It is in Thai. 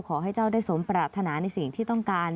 ขอให้เจ้าได้สมปรารถนาในสิ่งที่ต้องการ